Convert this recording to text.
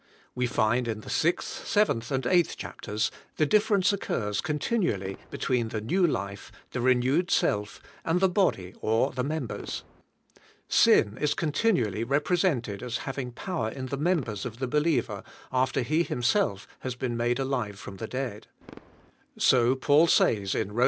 We find in the 6th, 7th and 8th chap ters the difference occurs continually between the new life, the renewed self, and the body or the mem bers. Sin is continually represented as having power in the members of the believer after he him self has been made alive from the dead; so Paul says, in Rom.